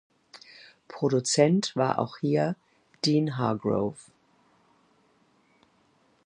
Produzent war auch hier Dean Hargrove.